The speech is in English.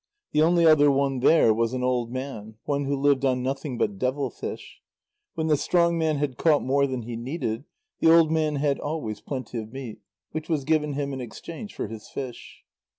The only other one there was an old man, one who lived on nothing but devil fish; when the strong man had caught more than he needed, the old man had always plenty of meat, which was given him in exchange for his fish.